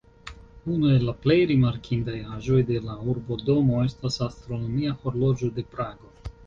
Unu el la plej rimarkindaj aĵoj de la Urbodomo estas astronomia horloĝo de Prago.